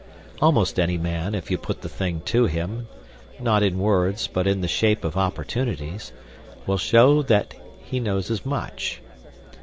Almost any man, if you put the thing to him, not in words, but in the shape of opportunities, will show that he knows as much.